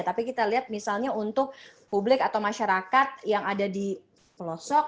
tapi kita lihat misalnya untuk publik atau masyarakat yang ada di pelosok